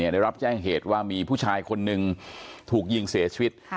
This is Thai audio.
ได้รับแจ้งเหตุว่ามีผู้ชายคนหนึ่งถูกยิงเสียชีวิต